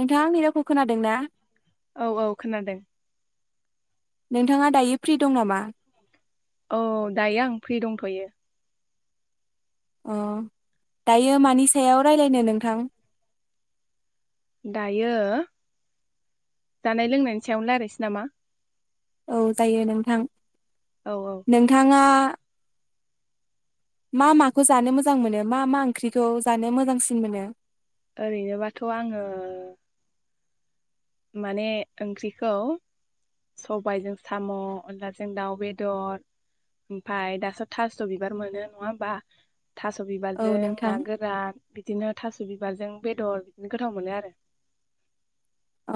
नोंथाङां आंनि रावखौ खोनादों ना? औ औ खोनादों। नोंथाङा दायो फ्रि दं नामा? औ दायो आं फ्रि दंथ'यो। अ दायो मानि सायाव रायज्लायनो नोंथां? दायो जानाय लोंनायनि सायावनो रायज्लायनोसै नामा? औ जायो नोंथां औ औ नोंथाङा मा माखौ जानो मोजां मोनो मा मा ओंख्रिखौ जानो मोजांसिन मोनो? ओरैनोबाथ' आङो माने ओंख्रिखौ सबायाइजों साम' अनलाजों दाउ बेदर ओमफ्राय दास' थास' बिबार मोनो नङा होमबा थास' औ बिबारजों नोंथां ना गोरान बिदिनो थास' बिबारजों बेदर बिदिनो गोथाव मोनो आरो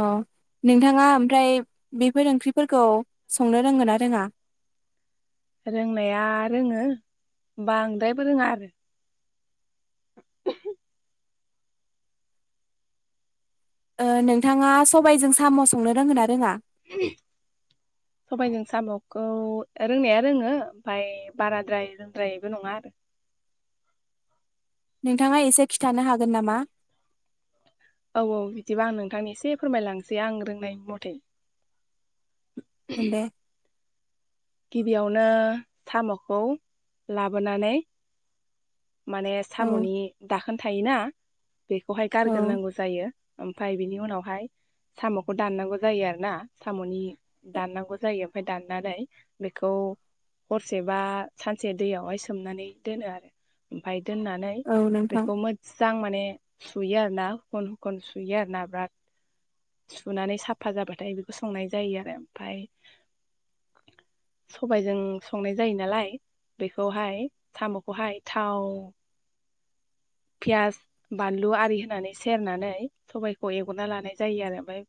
अ नोंथाङा ओमफ्राय बेफोर ओंख्रिफोरखौ संनो रोंगोना रोङा? रोंनाया रोङो बांद्रायबो रोङा आरो [unintelligible] नोंथाङा सबायाइजों साम' संनो रोंङोन ना रोङा? [unintelligible] सबायाइजों साम'खौ रोंनाया रोङो ओमफफ्राय बाराद्राय रोंद्रायबो नङा आरो नोंथाङा एसे खिन्थानो हागोन नामा? औ औ बिदिबा आं नोंथांनि एसे फोरमायलांनोसै आं रोंनाय मथे ओ दे। गिबियावनो साम'खौ लाबोनानै माने औ साम'नि दाखोन थायोना बेखौहाय औ गारग्रोनांगौ जायो ओमफ्राय बिनि उनावहाय साम'खौ दाननांगौ जायो आरो ना साम'नि दाननांगौ जायो ओमफफ्राय दाननानै बेखौ हरसे बा सानसे दैयावहाय सोमनानै दोनो आरो। ओमफफ्राय दोननानै औ नोंथां बेखौ इां माने सुयो आरो ना हुखन हुखन सुयो आरो ना बिराद सुनानै साफा जाबाथाय बेखौ संनाय जायो आरो ओमफ्राय सबायजों संनाय जायो नालाय बेखौहाय साम'खौहाय थाव पियास बानलु आरि होनानै सेरनानै सबायाइखौ एवना लानाय जायो। आरो ओमफ्राय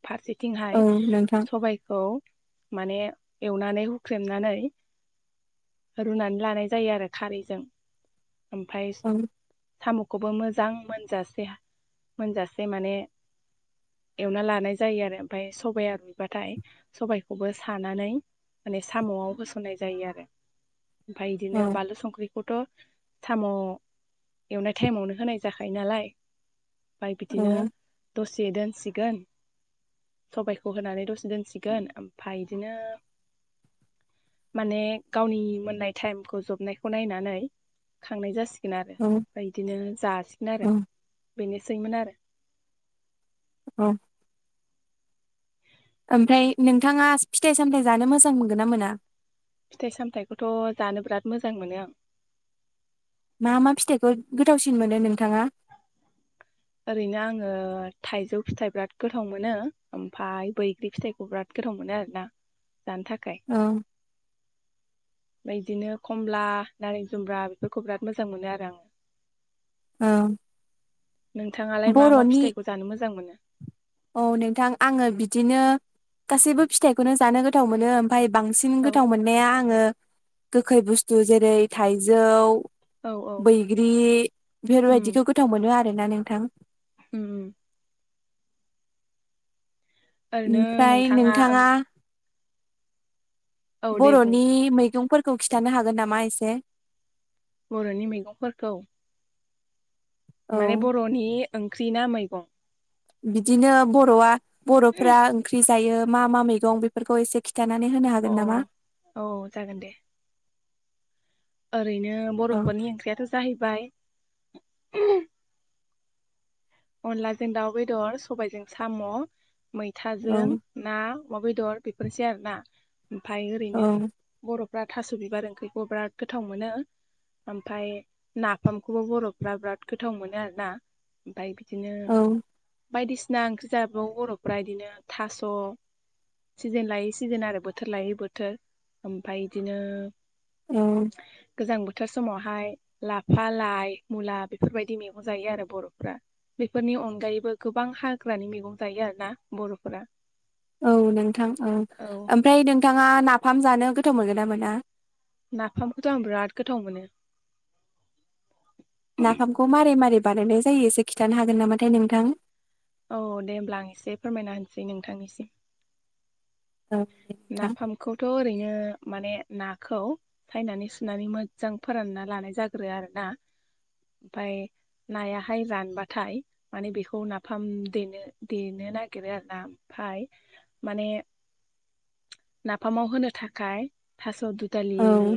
औ फारसेथिंहाय नोंथां सबायखौ माने एवनानै हुख्रेमनानै रुनानै लानाय जायो आरो खारैजों। ओमफ्राय [unintelligible] साम'खौबो मोजां मोनजासे मोनजासे माने एवना लानाय जायो। आरो ओमफफ्राय सबाइाया रुइबाथाय सबाइखौबो सानानै माने साम'आव होसननाय जायो आरो। ओमफफ्राय औ बिदिनो बानलु संख्रिखौथ' साम' एवनाय टाइमावनो होनाय जाखायो नालाय ओमफ्राय बिदिनो औ दसे दोनसिगोन सबायखौ होनानै दसे दोनसिगोन ओमफ्राय बिदिनो माने गावनि मोननाय टाइमखौ जबनायखौ नायनानै खांनाय जासिगोन आरो औ ओमफ्राय बिदिनो जासिगोन आरो औ बेनोसैमोन आरो। औ ओमफ्राय नोंथाङा फिथाइ सामथायाइ जानो मोजां मोनगोन ना मोना। फिथाइ सामथाइखौथ जानो बिराद मोजां मोनो आं। मा मा फिथाइखौ गोथावसिन मोनो नोंथाङा। [inaudible] ओरैनो आङो थाइजौ फिथाइ बिराद गोथाव मोनो ओमफाय बैग्रि फिथाइखौ बिराद गोथाव मोनो आरोना जानो थाखाय। औ ओमफ्राय बिदिनो खमला नारें जुम्ब्रा बेफोरखौ बिराद मोजां मोनो आरो आङो। औ नोंथाङालाय मा मा बर'नि फिथाइखौ जानो मोजां मोनो। औ नोंथां आङो बिदिनो गासैबो फिथाइखौनो जानो गोथाव मोनो। ओमफाय बांसिन औ गोथाव मोननाया आङो गोखै बुस्थु जेरै थाइजौ औ औ बैग्रि उम बेफोरबायदिखौ गोथाव मोनो आरोना नोंथां उम ओरैनो ओमफ्राय ओं नोंथाङा औ दे बुं बरनि मैगंफोरखौ खिन्थानो हागोन नामा एसे? बरनि मैगंफोरखौ औ माने बरनि ओंख्रि ना मैगं बिदिनो बरआ बरफ्रा ओंख्रि जायो मा मा मैगं बेफोरखौ एसे खि खिथानानै होनो अ हागोन नामा? औ जागोन दे। ओरैनो औ बरफोरनि ओंख्रियाथ जाहैबाय अनलाजों दाउ बेदर सबायजों साम औ मैथाजों ना अमा बेदर बेफोरसै आरोना ओमफाय ओरैनो औ बरफ्रा थास बिबार ओंख्रिखौ बिराद गोथाव मोनो ओमफाय नाफामखौबो बरफ्रा बिराद गोथाव मोनो आरो ना ओमफाय बिदिनो औ बायदिसिना ओंख्रि जाबो बरफ्रा इदिनो थास सिजोन लायै सिजोन आरो बोथोर लायै बोथोर ओमफाय बिदिनो औ गोजां बोथोर समावहाय लाफा लाइ मुला बेफोरबायदि मैगं जायो आरो बरफ्रा बेफोरनि अनगायैबो गोबां हाग्रानि मैगं जायो आरो ना बरफोरा औ नोंथां औ ओमफ्राय नोंथाङा नाफाम जानो गोथाव मोनगोन ना मोना? नाफामखौथ आं बिराद गोथाव मोनो नाफामखौ मारै मारै बानायायनाय जायो एसे खिथानो हागोन नामाथाय नोंथां? औ दे होमब्ला आं एसे फोरमायना होनोसै नोंथांनिसिम औ नोंथां नाफामखौथ ओरैनो माने नाखौ सायनानै सुनानै मोजां फोरानना लानाय जाग्रो आरो ना ओमफाय नायाहाय रानबाथाय माने बेखौ नाफाम देनो देनो नागिरो आरोना ओमफाय माने नाफामाव होनो थाखाय थास औ दुदालिनि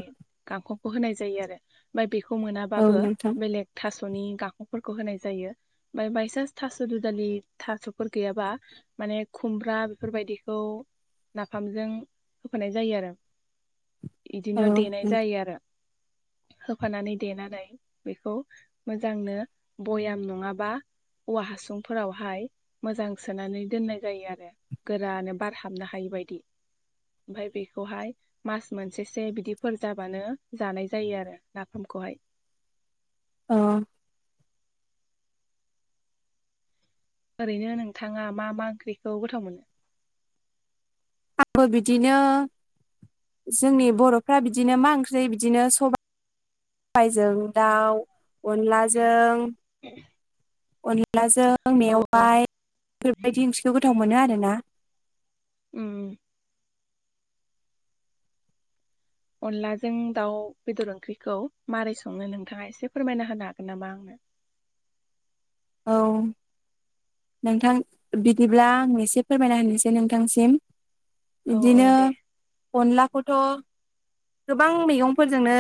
गांखंखौ होनाय जायो आरो ओमफ्राय बेखौ औ मोनाबाबो नोंथां बेलेग थासनि गांखंफोरखौ होनाय जायो। बाय बायसान्स थास दुदानि थासफोर गैयाबा। माने खुमब्रा बेफोरबायदिखौ फाम्पजों होफानाय जायो आरो औ बिदिनो देनाय नोंथां जायो आरो होफानानै देनानै बेखौ मोजांनो भयाम नङाबा औवा हासुंफोरावहाय मोजां सोनानै दोननाय जायो आरो गोरानो बार हाबनो हायि बायदि ओमफाय बेखौहाय मास मोनसेसो बिदिफोर जाबानो जानाय जायो आरो नाफामखौहाय। औ। ओरैनो नोंथाङा मा मा ओंख्रिखौ गोथाव मोनो? आंबो बिदिनो जोंनि बर'फ्रा बिदिनो मा ओंख्रि बिदिनो सबा बाइजों दाउ अनलाजों अनलाजों औ मेवाइ बेफोरबायदि ओंख्रिखौ गोथाव मोनो आरोना। उम अनलाजों दाउ बेदर ओंख्रिखौ मारै सङो नोंथाङा एसे फोरमायना होनो हागोन नामा आंनो? औ। नोंथां बिदिब्ला आंनो एसे फोरमायना होनोसै नोंथांसिम। औ औ बिदिनो दे अनलाखौथ' गोबां मैगंफोरजोंनो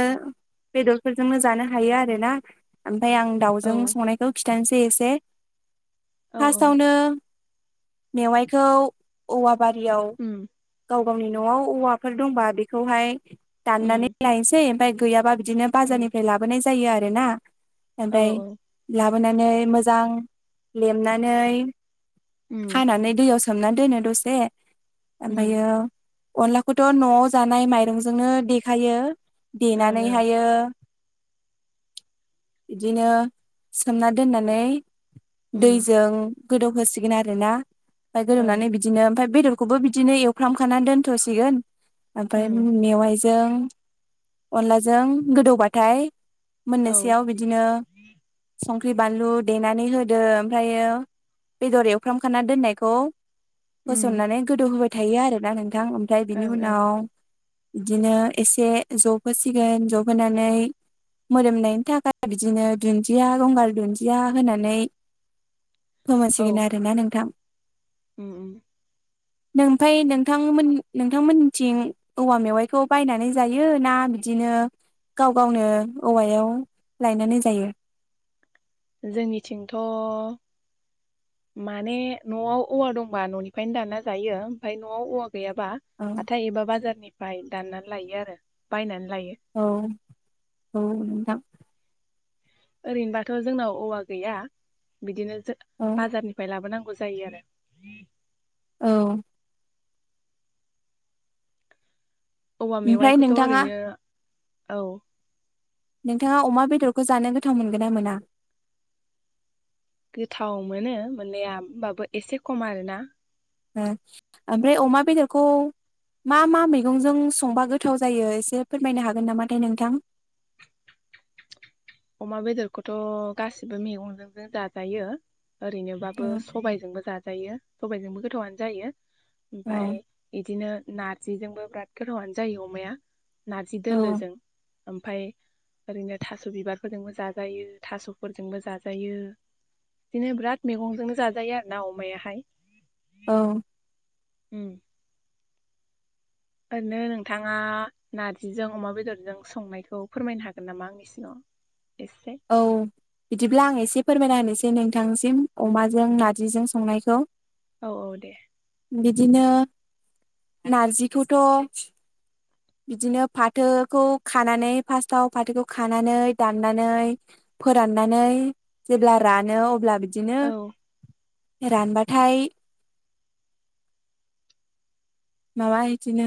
बेदरफोरजोंनो जानो हायो आरोना ओमफ्राय आं औ दावजों संनायखौ खिथानिसै एसे औ औ फासथावनो मेवाइखौ औवा बारियाव उम गाव गावनि न'आव औवाफोर दंबा बेखौहाय दाननानै उम लायनोसै ओमफाय गैयाबा बिदिनो उम बाजारनिफ्राय लाबोनाय जायो आरोना औ ओमफ्राय औ लाबोनानै मोजां लेमनानै उम हानानै दैआव सो सोमना दोनो दसे उम ओमफायो अनलाखौथ' न'आव जानाय माइरं'जोंनो देखायो ओं ओं देनानैहायो बिदिनो सोमना दोननानै उम दैजों गोदौहोसिगोन आरोना आमफाय ओं गोदौनानै बिदि बिदिनो ओमफाय बेदरखौबो बिदिनो एवफ्राम खानानै दोनथ'सिगोन ओमफाय ओं मेवाइ दों अनलाजों गोदौबाथाय औ मोननोसैआव बिदि बिदिनो संख्रि बानलु देनानै होदो ओमफ्रायो बेदर एवफ्रामखाना दोननायखौ उम होस'ननानै गोदौ होबाय थायो आरोना नोंथां ओमफ्राय बिनि ओं ओं उनाव बिदिनो एसे जबहोसिगोन जबहोनानै मोदोमनायनि थाखाय बिदिनो दुन्दिया गंगार दुन्दिया दिया होनानै औ फोमोनसिगोन आरो ना नोंथां। उम उम। नों आमफाय नोंथांमोन नोंथांमोननिथिं औवा मेवाइखौ बायनानै जायो ना बिदिनो गाव गावनो औवायाव लायनानै जायो? जोंनिथिंथ' माने न'आव औवा दंबा न'निफ्रायनो दाना जायो ओमफाय न'आव औवा गैयाबा औ हाथाय एबा बाजारनिफ्राय दाननानै लायो आरो बायनानै लायो। औ औ नोंथां। ओरैनोबाथ' जोंनाव औवा गैया बिदिनो जो औ बाजारनि फाय लाबोनांगौ जायो आरो। औ। औवा ओमफ्राय मेवाइखौथ' नोंथाङा ओरैनो औ नोंथाङा अमा बेदरखौ जानो गोथाव मोनगोन ना मोना? गोथाव मोनो मोननाया होमबाबो एसे खम आरोना। ओ ओमफ्राय अमा बेदरखौ मा मा मैगं'जों संबा गोथाव जायो एसे फोरमायनो हागोन नामाथाय नोंथां? अमा बेदरखौथ' गासिबो मैगंजोंनो जाजाजो जायो ओरैनो औ बाबो सबायजोंबो जाजायो सबायजोंबो गोथावआनो जायो ओमफाय औ बिदिनो नार्जिजोंबो बिराद गोथावानो जायो अमाया नार्जि औ दोलोजों। ओमफाय ओरैनो थास' बिबारफोरजोंबो जाजायो थास'फोरजोंबो जाजायो। बिदिनो बिराद मैगंजोंनो जाजायो आरोना अमायाहाय औ उम ओरैनो नोंथाङा नारजिजों अमा बेदरजों संनायखौ फोरमायनो हागोन नामा आंनो किषन एसे औ बिदिब्ला आं एसे फोरमायना होनोसै नोंथांसिम अमाजों नार्जिजों संनायखौ औ औ दे। बिदिनो नारजिखौथ' बिदिनो फाथोखौ खानानै फास्स्टाव फाथोखौ खानानै दाननानै फोराननानै जेब्ला रानो अब्ला बिदिनो औ रानबाथाय माबा बिदिनो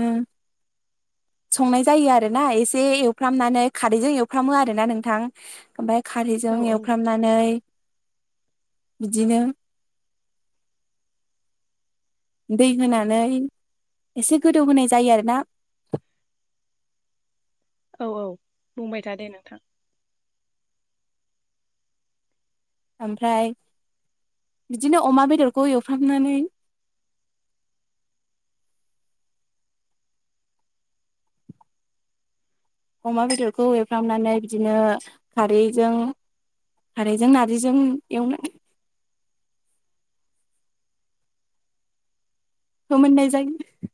संनाय जायो आरोना एसे एवफ्रामनानै खारैजों एवफ्रामो आरोना नोंथां ओमफ्राय औ खारैजों एवफ्रामनानै बिदिनो दै होनानै एसे गोदौ होनोनाय जायो आरोना औ औ बुंबाय था दे नोंथां। ओमफ्राय बिदिनो अमा बेदरखौ एवफ्रामनानै अमा बेदरखौ एफ्रामनानै बिदिनो खारैजों खारैजों नारजिजों एवनाय मोननाय जायो